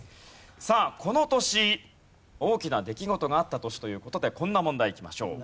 さあこの年大きな出来事があった年という事でこんな問題いきましょう。